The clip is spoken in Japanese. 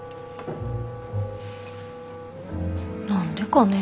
何でかね？